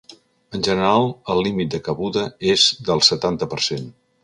En general, el límit de cabuda és del setanta per cent.